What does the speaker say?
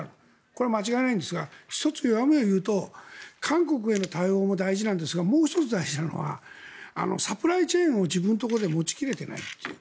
これは間違いないんですが１つ弱みを言うと韓国への対応も大事なんですがもう１つ大事なのはサプライチェーンを自分のところで持ち切れていないという。